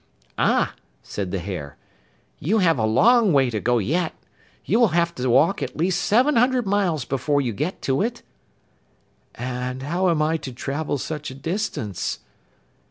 'Ah,' said the hare, 'you have a long way to go yet. You will have to walk at least seven hundred miles before you get to it.' 'And how am I to travel such a distance?